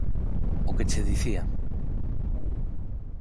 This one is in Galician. _O que che dicía.